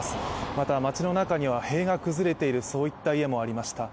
また、町の中には塀が崩れている家もありました。